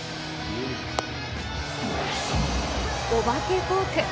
お化けフォーク。